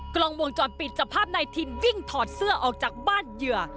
กล้องวงจรปิดจับภาพนายทิมวิ่งถอดเสื้อออกจากบ้านเหยื่อ